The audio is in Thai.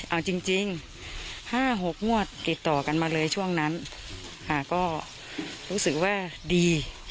เอาจริงจริงห้าหกงวดเก็บต่อกันมาเลยช่วงนั้นค่ะก็รู้สึกว่าดี